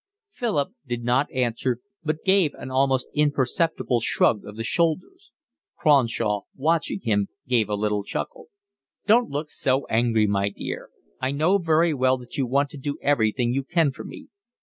Philip did not answer, but gave an almost imperceptible shrug of the shoulders. Cronshaw, watching him, gave a little chuckle. "Don't look so angry, my dear. I know very well you want to do everything you can for me.